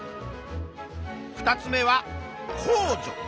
２つ目は公助。